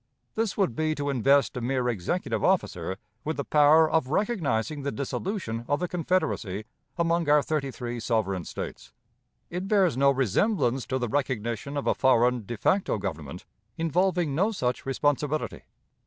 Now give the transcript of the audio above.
This would be to invest a mere executive officer with the power of recognizing the dissolution of the confederacy among our thirty three sovereign States. It bears no resemblance to the recognition of a foreign de facto government involving no such responsibility.